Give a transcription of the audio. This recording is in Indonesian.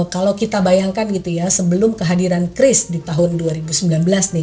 kalau kita bayangkan gitu ya sebelum kehadiran cris di tahun dua ribu sembilan belas nih